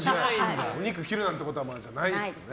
お肉切るなんてことはないですね？